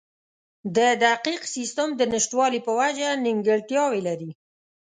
د دقیق سیستم د نشتوالي په وجه نیمګړتیاوې لري.